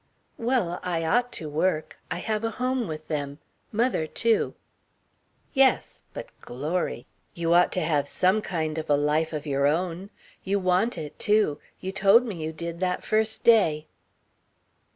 "Well, I ought to work. I have a home with them. Mother too." "Yes, but glory. You ought to have some kind of a life of your own. You want it, too. You told me you did that first day."